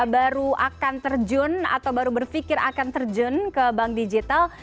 baru akan terjun atau baru berpikir akan terjun ke bank digital